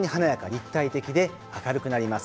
立体的で明るくなります。